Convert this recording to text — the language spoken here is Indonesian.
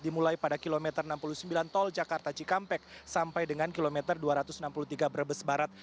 dimulai pada kilometer enam puluh sembilan tol jakarta cikampek sampai dengan kilometer dua ratus enam puluh tiga brebes barat